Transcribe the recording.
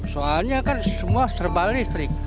soalnya kan semua serba listrik